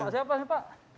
siapa ini pak